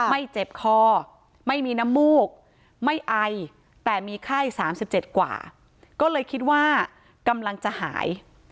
ไม่เจ็บคอไม่มีน้ำมูกไม่ไอแต่มีไข้๓๗กว่าก็เลยคิดว่ากำลังจะหาย